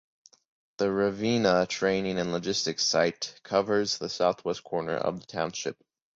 The Ravenna Training and Logistics Site covers the southwest corner of the township.